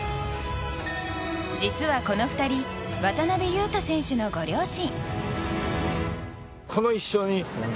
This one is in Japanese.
実は、この２人渡邊雄太選手のご両親。